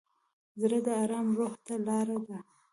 زړه د ارام روح ته لاره ده.